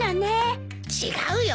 違うよ。